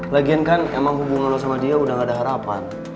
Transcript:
lagian kan emang hubungan sama dia udah gak ada harapan